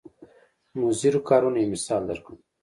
مضرو کارونو یو مثال درکړم.